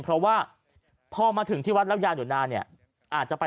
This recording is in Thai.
เพราะว่าพอมาถึงที่วัดแล้วยายหนูนาเนี่ยอาจจะไป